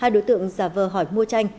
hai đối tượng giả vờ hỏi mua chanh